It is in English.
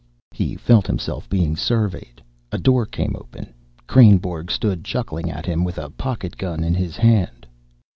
He felt himself being surveyed. A door came open. Kreynborg stood chuckling at him with a pocket gun in his hand.